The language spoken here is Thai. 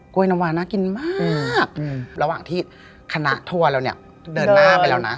น้ำวาน่ากินมากระหว่างที่คณะทัวร์เราเนี่ยเดินหน้าไปแล้วนะ